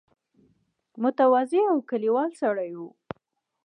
متواضع او کلیوال سړی وو.